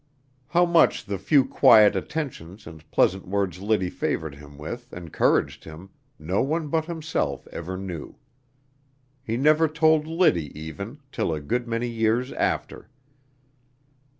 How much the few quiet attentions and pleasant words Liddy favored him with encouraged him, no one but himself ever knew. He never told Liddy even, till a good many years after.